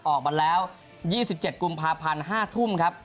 ออกมาแล้ว๒๗กุมภาพันธ์๕ทุ่มครับ